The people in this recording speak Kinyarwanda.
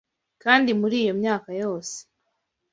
Kandi muri iyo myaka yose